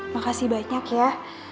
makasih banyak ya